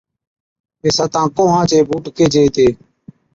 وي ساتان ڪوهان چي بُوٽ ڪيهجي هِتي۔